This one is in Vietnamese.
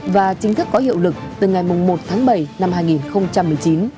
và chính thức có hiệu lực từ ngày một tháng bảy năm hai nghìn một mươi chín